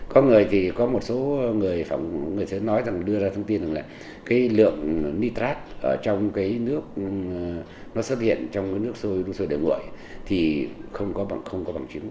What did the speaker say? có người thì có một số người sẽ nói rằng đưa ra thông tin rằng là cái lượng nitrat trong cái nước nó xuất hiện trong cái nước sôi để nguội thì không có bằng chứng